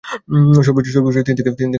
সর্বোচ্চ তিন থেকে চার ঘন্টা লাগবে।